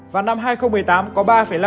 và năm hai nghìn một mươi tám có ba năm